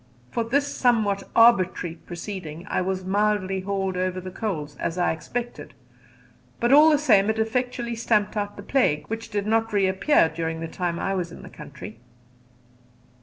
For this somewhat arbitrary proceeding I was mildly called over the coals, as I expected; but all the same it effectually stamped out the plague, which did not reappear during the time I was in the country.